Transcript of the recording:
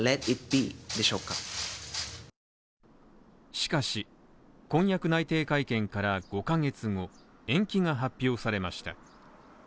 しかし、婚約内定会見から５ヶ月後、延期が発表されました。